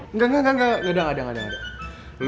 enggak enggak enggak enggak enggak enggak enggak enggak enggak